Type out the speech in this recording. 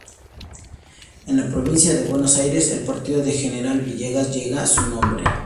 En la provincia de Buenos Aires, el Partido de General Villegas lleva su nombre.